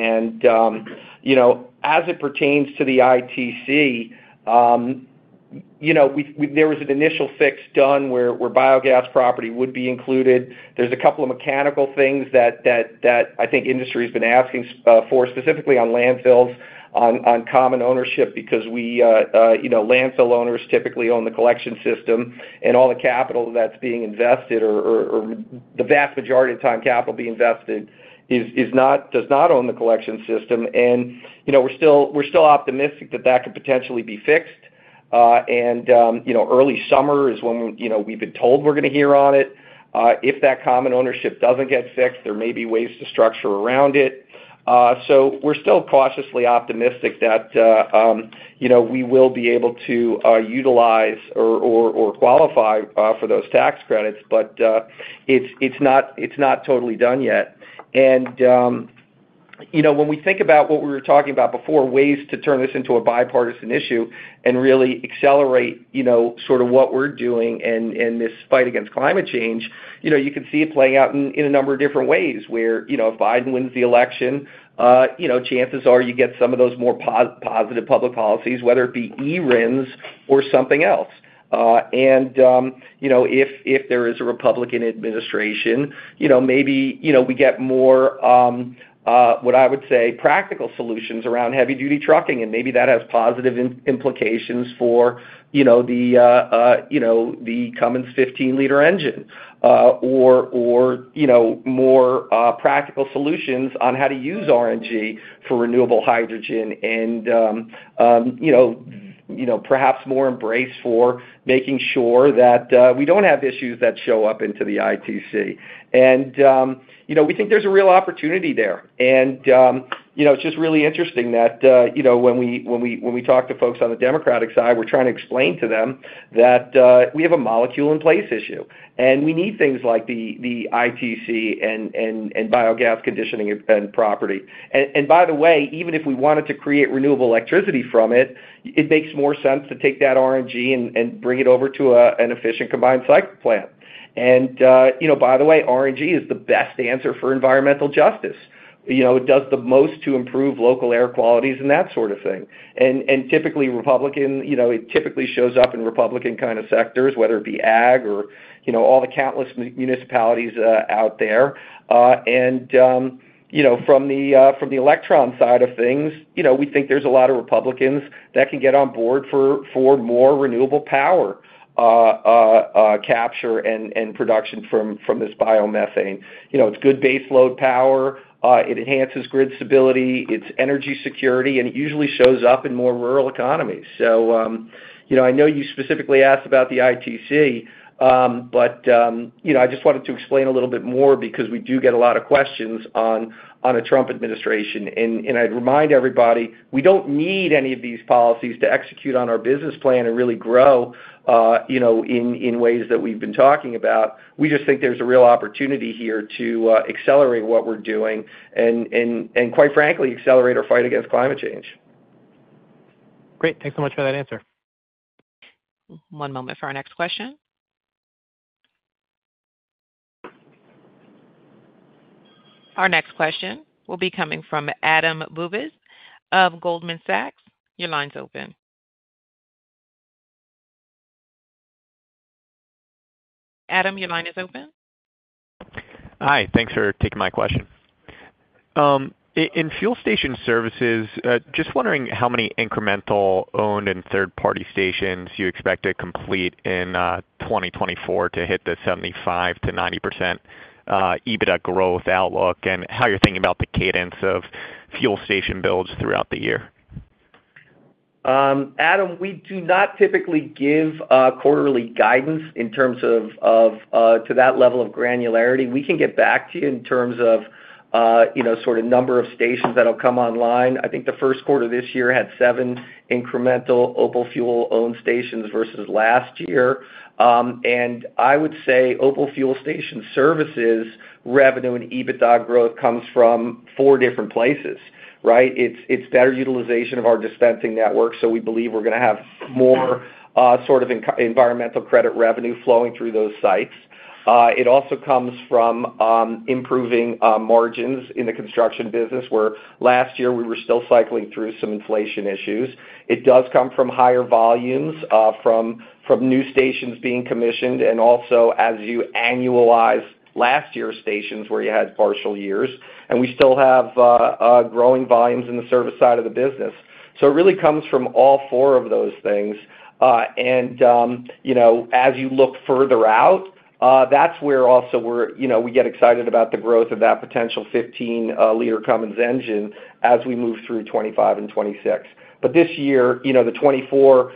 As it pertains to the ITC, there was an initial fix done where biogas property would be included. There's a couple of mechanical things that I think industry has been asking for, specifically on landfills, on common ownership because landfill owners typically own the collection system. All the capital that's being invested or the vast majority of time capital being invested does not own the collection system. We're still optimistic that that could potentially be fixed. Early summer is when we've been told we're going to hear on it. If that common ownership doesn't get fixed, there may be ways to structure around it. We're still cautiously optimistic that we will be able to utilize or qualify for those tax credits, but it's not totally done yet. When we think about what we were talking about before, ways to turn this into a bipartisan issue and really accelerate sort of what we're doing in this fight against climate change, you can see it playing out in a number of different ways where if Biden wins the election, chances are you get some of those more positive public policies, whether it be e-RINs or something else. If there is a Republican administration, maybe we get more, what I would say, practical solutions around heavy-duty trucking. And maybe that has positive implications for the Cummins 15-liter engine or more practical solutions on how to use RNG for renewable hydrogen and perhaps more embrace for making sure that we don't have issues that show up into the ITC. And we think there's a real opportunity there. And it's just really interesting that when we talk to folks on the Democratic side, we're trying to explain to them that we have a molecule-in-place issue, and we need things like the ITC and biogas conditioning and property. And by the way, even if we wanted to create renewable electricity from it, it makes more sense to take that RNG and bring it over to an efficient combined cycle plant. And by the way, RNG is the best answer for environmental justice. It does the most to improve local air qualities and that sort of thing. Typically, it typically shows up in Republican kind of sectors, whether it be ag or all the countless municipalities out there. From the election side of things, we think there's a lot of Republicans that can get on board for more renewable power capture and production from this biomethane. It's good base load power. It enhances grid stability. It's energy security. It usually shows up in more rural economies. So I know you specifically asked about the ITC, but I just wanted to explain a little bit more because we do get a lot of questions on a Trump administration. I'd remind everybody, we don't need any of these policies to execute on our business plan and really grow in ways that we've been talking about. We just think there's a real opportunity here to accelerate what we're doing and, quite frankly, accelerate our fight against climate change. Great. Thanks so much for that answer. One moment for our next question. Our next question will be coming from Adam Bubes of Goldman Sachs. Your line's open. Adam, your line is open. Hi. Thanks for taking my question. In fuel station services, just wondering how many incremental owned and third-party stations you expect to complete in 2024 to hit the 75%-90% EBITDA growth outlook and how you're thinking about the cadence of fuel station builds throughout the year. Adam, we do not typically give quarterly guidance in terms of to that level of granularity. We can get back to you in terms of sort of number of stations that'll come online. I think the first quarter this year had seven incremental OPAL Fuels-owned stations versus last year. And I would say OPAL Fuels station services revenue and EBITDA growth comes from four different places, right? It's better utilization of our dispensing network, so we believe we're going to have more sort of environmental credit revenue flowing through those sites. It also comes from improving margins in the construction business where last year, we were still cycling through some inflation issues. It does come from higher volumes from new stations being commissioned and also as you annualize last year's stations where you had partial years. And we still have growing volumes in the service side of the business. So it really comes from all four of those things. And as you look further out, that's where also we get excited about the growth of that potential 15-liter Cummins engine as we move through 2025 and 2026. But this year, the 2024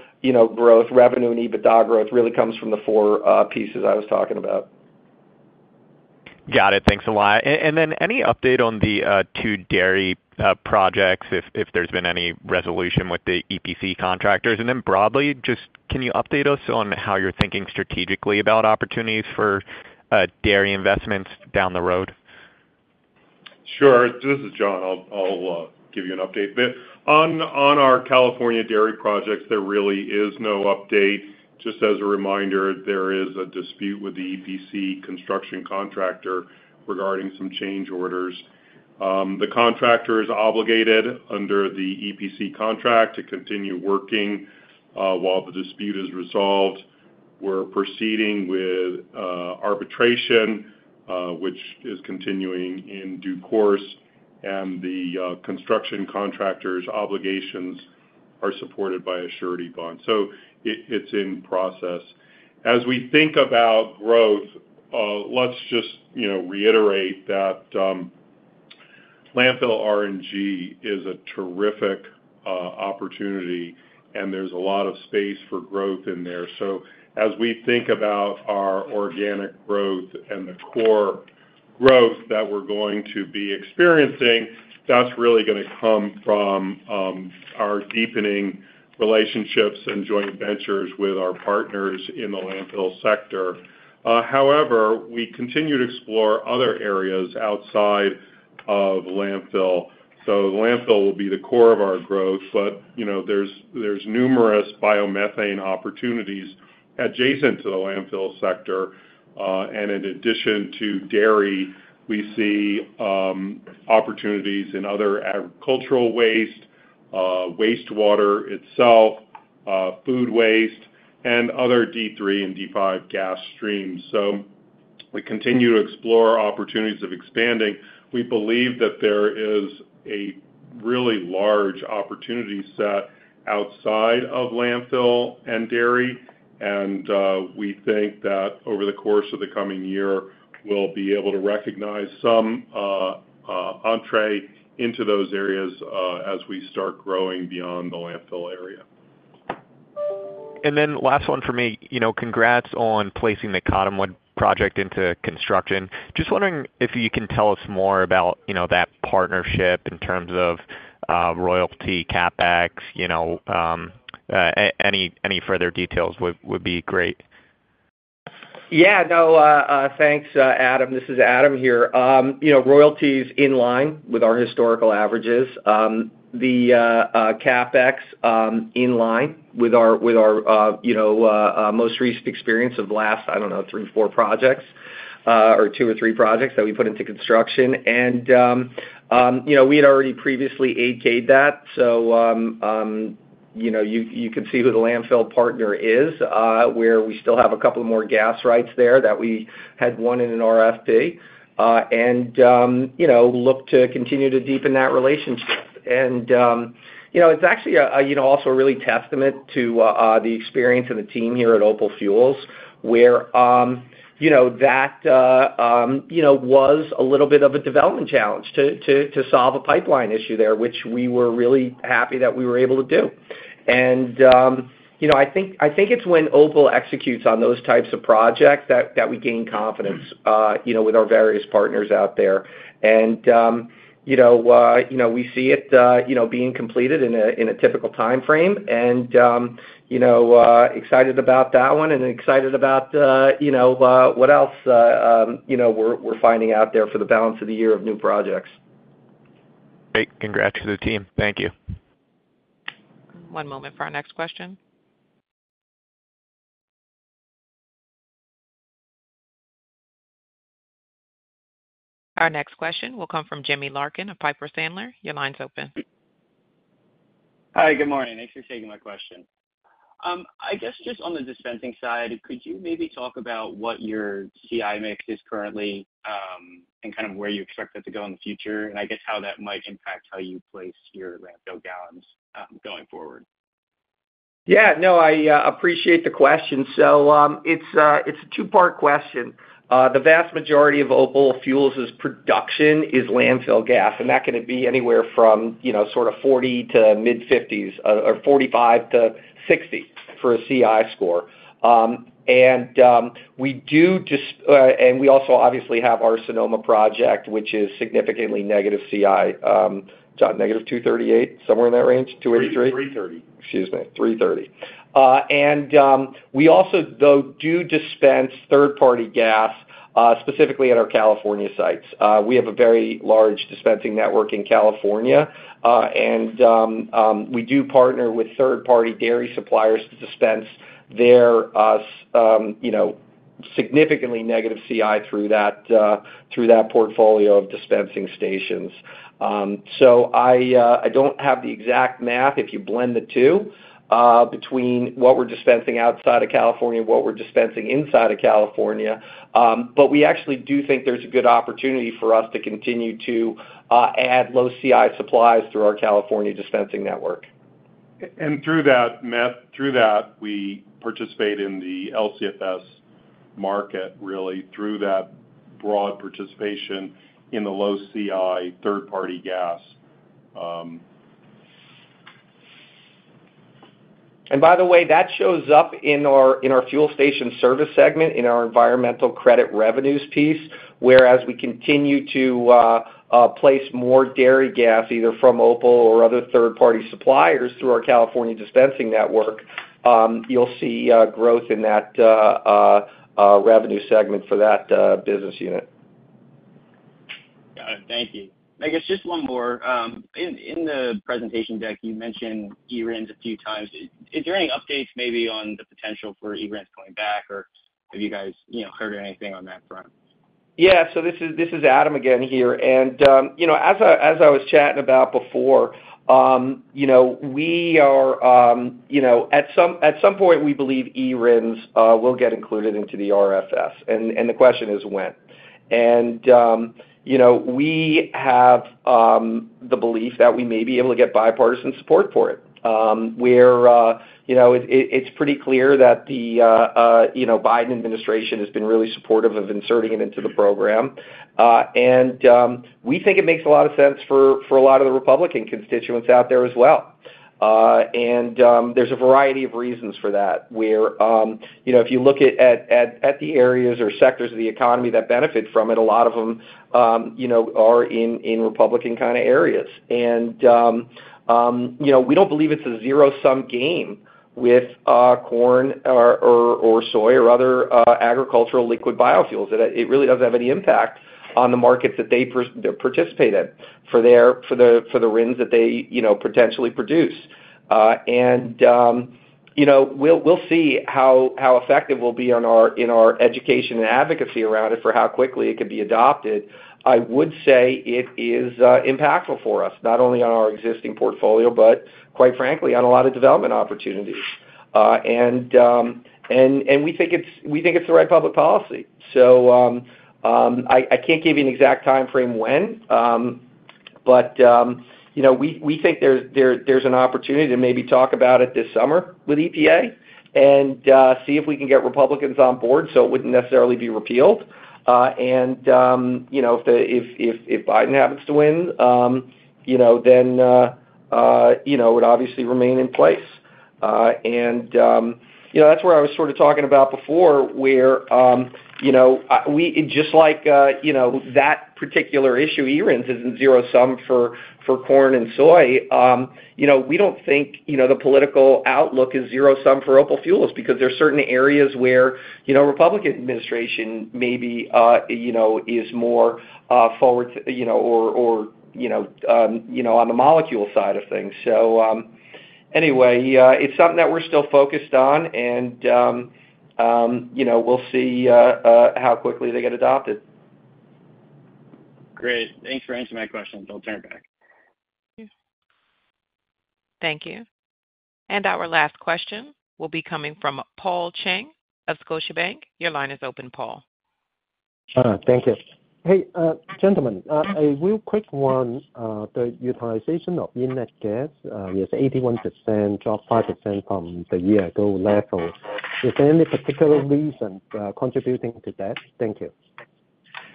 growth, revenue and EBITDA growth really comes from the four pieces I was talking about. Got it. Thanks a lot. And then any update on the two dairy projects if there's been any resolution with the EPC contractors? And then broadly, just can you update us on how you're thinking strategically about opportunities for dairy investments down the road? Sure. This is John. I'll give you an update. On our California dairy projects, there really is no update. Just as a reminder, there is a dispute with the EPC construction contractor regarding some change orders. The contractor is obligated under the EPC contract to continue working while the dispute is resolved. We're proceeding with arbitration, which is continuing in due course. The construction contractor's obligations are supported by a surety bond. It's in process. As we think about growth, let's just reiterate that landfill RNG is a terrific opportunity, and there's a lot of space for growth in there. As we think about our organic growth and the core growth that we're going to be experiencing, that's really going to come from our deepening relationships and joint ventures with our partners in the landfill sector. However, we continue to explore other areas outside of landfill. So landfill will be the core of our growth, but there's numerous biomethane opportunities adjacent to the landfill sector. And in addition to dairy, we see opportunities in other agricultural waste, wastewater itself, food waste, and other D3 and D5 gas streams. So we continue to explore opportunities of expanding. We believe that there is a really large opportunity set outside of landfill and dairy. And we think that over the course of the coming year, we'll be able to recognize some entree into those areas as we start growing beyond the landfill area. Then last one for me. Congrats on placing the Cottonwood project into construction. Just wondering if you can tell us more about that partnership in terms of royalty, CapEx, any further details would be great. Yeah. No, thanks, Adam. This is Adam here. Royalties in line with our historical averages. The CapEx in line with our most recent experience of last, I don't know, 3, 4 projects or 2 or 3 projects that we put into construction. And we had already previously OK'd that, so you can see who the landfill partner is where we still have a couple of more gas rights there that we had won in an RFP and look to continue to deepen that relationship. And it's actually also a really testament to the experience and the team here at OPAL Fuels where that was a little bit of a development challenge to solve a pipeline issue there, which we were really happy that we were able to do. And I think it's when OPAL executes on those types of projects that we gain confidence with our various partners out there. We see it being completed in a typical timeframe and excited about that one and excited about what else we're finding out there for the balance of the year of new projects. Great. Congrats to the team. Thank you. One moment for our next question. Our next question will come from Jimmy Larkin of Piper Sandler. Your line's open. Hi. Good morning. Thanks for taking my question. I guess just on the dispensing side, could you maybe talk about what your CI mix is currently and kind of where you expect that to go in the future and I guess how that might impact how you place your landfill gallons going forward? Yeah. No, I appreciate the question. So it's a two-part question. The vast majority of OPAL Fuels' production is landfill gas, and that could be anywhere from sort of 40-mid-50s or 45-60 for a CI score. And we do and we also obviously have our Sunoma project, which is significantly negative CI, John, -$2.38, somewhere in that range, $2.83? $3.30. Excuse me. $3.30. We also, though, do dispense third-party gas specifically at our California sites. We have a very large dispensing network in California, and we do partner with third-party dairy suppliers to dispense their significantly negative CI through that portfolio of dispensing stations. I don't have the exact math if you blend the two between what we're dispensing outside of California and what we're dispensing inside of California. We actually do think there's a good opportunity for us to continue to add low CI supplies through our California dispensing network. Through that math, through that, we participate in the LCFS market really through that broad participation in the low CI third-party gas. And by the way, that shows up in our fuel station service segment in our environmental credit revenues piece. Whereas we continue to place more dairy gas either from OPAL or other third-party suppliers through our California dispensing network, you'll see growth in that revenue segment for that business unit. Got it. Thank you. I guess just one more. In the presentation deck, you mentioned e-RINs a few times. Is there any updates maybe on the potential for e-RINs coming back, or have you guys heard anything on that front? Yeah. So this is Adam again here. And as I was chatting about before, we are at some point, we believe e-RINs will get included into the RFS. And the question is when. And we have the belief that we may be able to get bipartisan support for it where it's pretty clear that the Biden administration has been really supportive of inserting it into the program. And we think it makes a lot of sense for a lot of the Republican constituents out there as well. And there's a variety of reasons for that where if you look at the areas or sectors of the economy that benefit from it, a lot of them are in Republican kind of areas. And we don't believe it's a zero-sum game with corn or soy or other agricultural liquid biofuels. It really doesn't have any impact on the markets that they participate in for the RINs that they potentially produce. We'll see how effective we'll be in our education and advocacy around it for how quickly it could be adopted. I would say it is impactful for us not only on our existing portfolio but, quite frankly, on a lot of development opportunities. We think it's the right public policy. So I can't give you an exact timeframe when, but we think there's an opportunity to maybe talk about it this summer with EPA and see if we can get Republicans on board so it wouldn't necessarily be repealed. If Biden happens to win, then it would obviously remain in place. That's where I was sort of talking about before where just like that particular issue, e-RINs isn't zero-sum for corn and soy. We don't think the political outlook is zero-sum for OPAL Fuels because there are certain areas where the Republican administration maybe is more forward or on the molecule side of things. So anyway, it's something that we're still focused on, and we'll see how quickly they get adopted. Great. Thanks for answering my questions. I'll turn it back. Thank you. Our last question will be coming from Paul Cheng of Scotiabank. Your line is open, Paul. Thank you. Hey, gentlemen, a real quick one. The utilization of inlet gas, it's 81%, dropped 5% from the year-ago level. Is there any particular reason contributing to that? Thank you.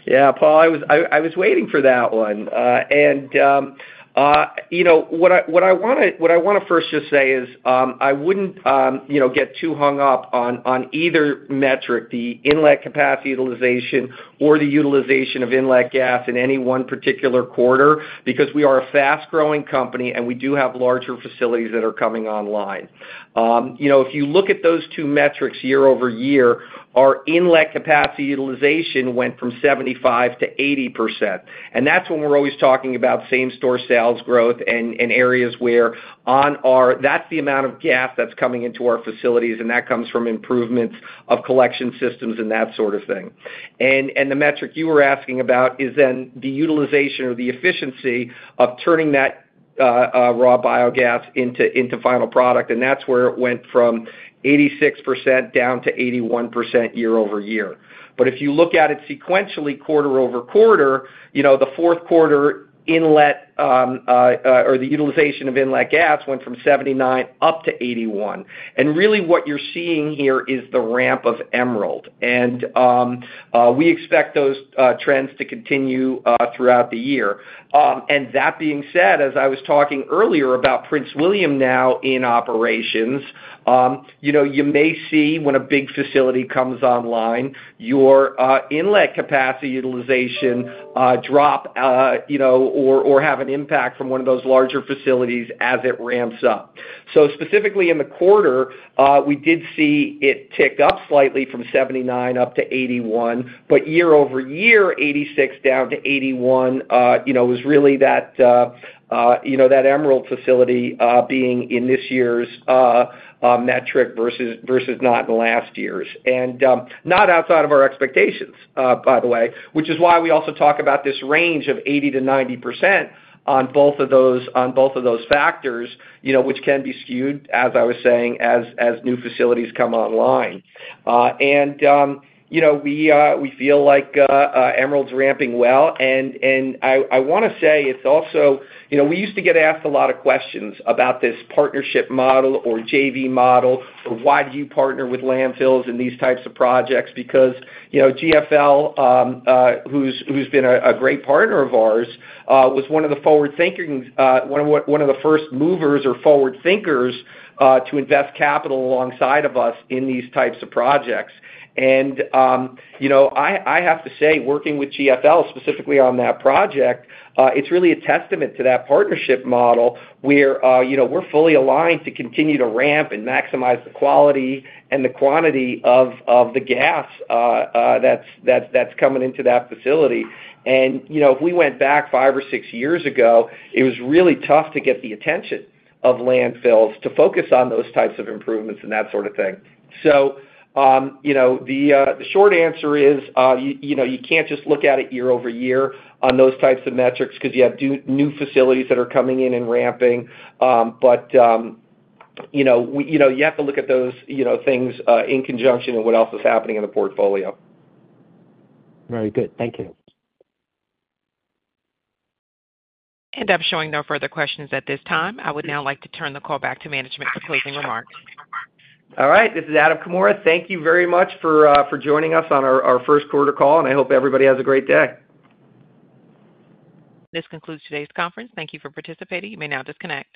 Yeah, Paul, I was waiting for that one. And what I want to first just say is I wouldn't get too hung up on either metric, the inlet capacity utilization or the utilization of inlet gas in any one particular quarter because we are a fast-growing company, and we do have larger facilities that are coming online. If you look at those two metrics year-over-year, our inlet capacity utilization went from 75%-80%. And that's when we're always talking about same-store sales growth and areas where that's the amount of gas that's coming into our facilities, and that comes from improvements of collection systems and that sort of thing. And the metric you were asking about is then the utilization or the efficiency of turning that raw biogas into final product. And that's where it went from 86% down to 81% year-over-year. But if you look at it sequentially, quarter-over-quarter, the fourth quarter, inlet or the utilization of inlet gas went from 79 up to 81. And really, what you're seeing here is the ramp of Emerald. And we expect those trends to continue throughout the year. And that being said, as I was talking earlier about Prince William now in operations, you may see when a big facility comes online, your inlet capacity utilization drop or have an impact from one of those larger facilities as it ramps up. So specifically in the quarter, we did see it tick up slightly from 79 up to 81. But year-over-year, 86 down to 81 was really that Emerald facility being in this year's metric versus not in last year's. And not outside of our expectations, by the way, which is why we also talk about this range of 80%-90% on both of those factors, which can be skewed, as I was saying, as new facilities come online. And we feel like Emerald's ramping well. And I want to say it's also we used to get asked a lot of questions about this partnership model or JV model or why do you partner with landfills in these types of projects because GFL, who's been a great partner of ours, was one of the forward-thinking, one of the first movers or forward-thinkers to invest capital alongside of us in these types of projects. I have to say, working with GFL specifically on that project, it's really a testament to that partnership model where we're fully aligned to continue to ramp and maximize the quality and the quantity of the gas that's coming into that facility. If we went back five or six years ago, it was really tough to get the attention of landfills to focus on those types of improvements and that sort of thing. The short answer is you can't just look at it year-over-year on those types of metrics because you have new facilities that are coming in and ramping. You have to look at those things in conjunction and what else is happening in the portfolio. Very good. Thank you. End up showing no further questions at this time. I would now like to turn the call back to management for closing remarks. All right. This is Adam Comora. Thank you very much for joining us on our first quarter call, and I hope everybody has a great day. This concludes today's conference. Thank you for participating. You may now disconnect.